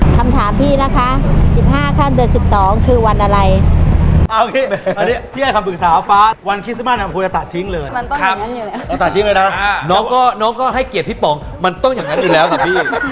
คำถามมาเลยครับ